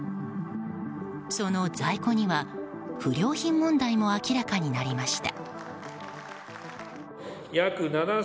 その在庫には不良品問題も明らかになりました。